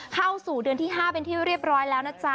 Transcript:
เข้าสู่เดือนที่๕เป็นที่เรียบร้อยแล้วนะจ๊ะ